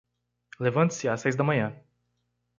Levante-se às seis da manhã